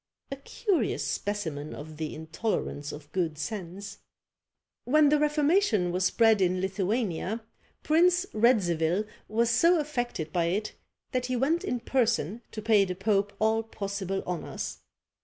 A curious specimen of the intolerance of good sense. When the Reformation was spread in Lithuania, Prince Radzivil was so affected by it, that he went in person to pay the pope all possible honours.